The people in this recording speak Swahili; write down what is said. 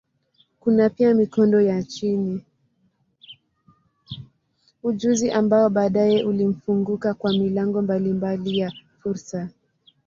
Ujuzi ambao baadaye ulimfunguka kwa milango mbalimbali ya fursa.